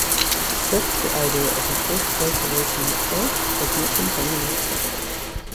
Thus, the idea of a Fourth Great Awakening itself has not been generally accepted.